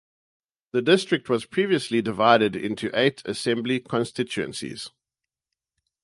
The district was previously divided into eight assembly constituencies.